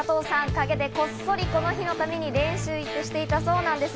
陰でこっそりこの日のために練習していたそうなんです。